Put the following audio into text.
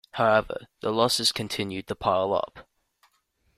However, the losses continued to pile up.